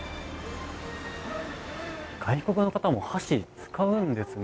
外国の方も箸を使うんですね。